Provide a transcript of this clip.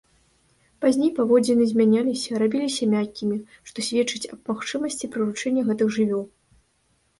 Пазней паводзіны змянялася, рабіліся мяккімі, што сведчыць аб магчымасці прыручэння гэтых жывёл.